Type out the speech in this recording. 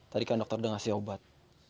tadi kan dokter udah ngasih obat